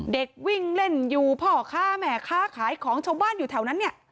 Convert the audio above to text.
เด็กวิ่งเล่นอยู่พ่อค้าแม่ค้าขายของชาวบ้านอยู่แถวนั้นเนี่ย